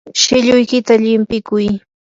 shilluykita llimpikuy.